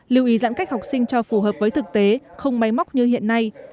lưu ý giãn cách học sinh cho phù hợp với thực tế không máy móc như hiện nay